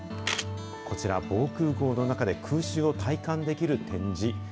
こちら、防空ごうの中で空襲を体感できる展示。